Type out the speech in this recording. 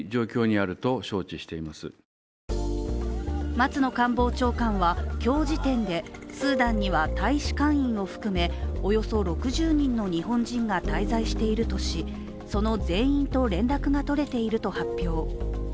松野官房長官は今日時点で、スーダンには大使館員を含めおよそ６０人の日本人が滞在しているとしその全員と連絡が取れていると発表。